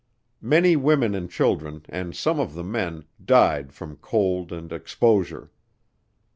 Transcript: Many women and children, and some of the men, died from cold and exposure.